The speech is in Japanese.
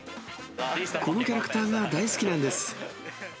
このキャラクターが大好きなんです。